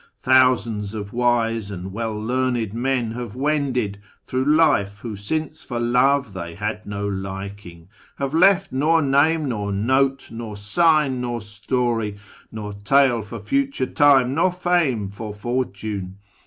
Thousands of wise and welldearned men have wended Through life, who, since for love they had no liking. Have left nor name, nor note, nor sign, nor story, Nor tale for future time, nor fame for fortune.